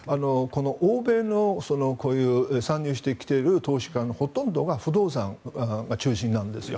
こういう欧米の参入してきている企業の投資家のほとんどが不動産が中心なんですよ。